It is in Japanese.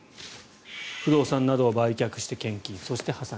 不動産などを売却して献金そして破産。